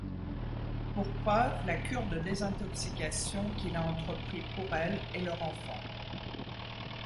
Pour preuve la cure de désintoxication, qu'il a entrepris pour elle et leur enfant.